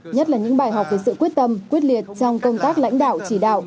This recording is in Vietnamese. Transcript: nhất là những bài học về sự quyết tâm quyết liệt trong công tác lãnh đạo chỉ đạo